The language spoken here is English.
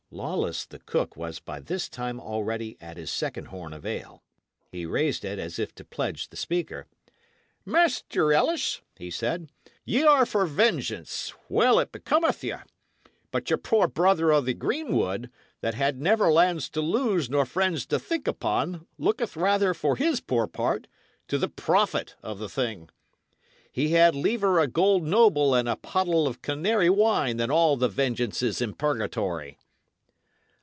Lawless the cook was by this time already at his second horn of ale. He raised it, as if to pledge the speaker. "Master Ellis," he said, "y' are for vengeance well it becometh you! but your poor brother o' the greenwood, that had never lands to lose nor friends to think upon, looketh rather, for his poor part, to the profit of the thing. He had liever a gold noble and a pottle of canary wine than all the vengeances in purgatory."